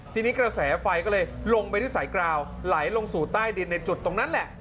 ทีนี้กระแสไฟก็เลยลงไปที่สายกราวไหลลงสู่ใต้ดินในจุดตรงนั้นแหละ